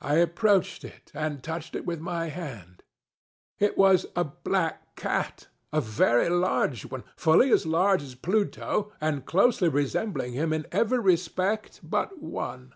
I approached it, and touched it with my hand. It was a black catŌĆöa very large oneŌĆöfully as large as Pluto, and closely resembling him in every respect but one.